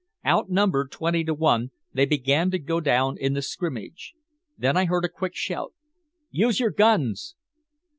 Outnumbered twenty to one, they began to go down in the scrimmage. Then I heard a quick shout: "Use your guns!"